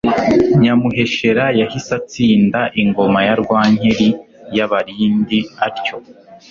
Nyamuheshera yahise atsinda Ingoma ya Rwankeli y'Abalindi atyo.